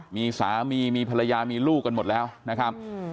มีสามีมีภรรยามีลูกกันหมดแล้วนะครับ